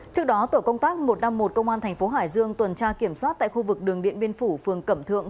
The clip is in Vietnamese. trước đó tổ công tác một trăm năm mươi một công an thành phố hải dương tuần tra kiểm soát tại khu vực đường điện biên phủ phường cẩm thượng